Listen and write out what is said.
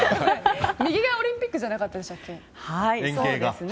右がオリンピックじゃなかったでしたっけ？